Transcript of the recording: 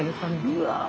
うわ！